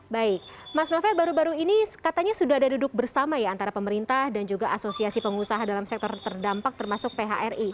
baik mas novel baru baru ini katanya sudah ada duduk bersama ya antara pemerintah dan juga asosiasi pengusaha dalam sektor terdampak termasuk phri